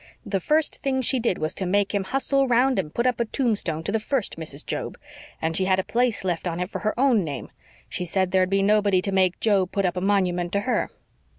The first thing she did was to make him hustle round and put up a tombstone to the first Mrs. Job and she had a place left on it for her own name. She said there'd be nobody to make Job put up a monument to HER."